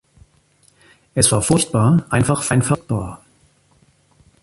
Es war furchtbar, einfach furchtbar.